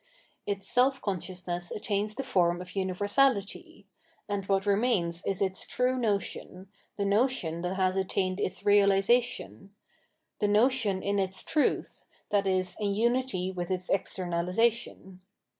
Its self consciousness attains the form of universahty ; and what remains is its true notion, the notion that has attained its reahsation— the notion in its truth, i.e. in unity with its externalisation.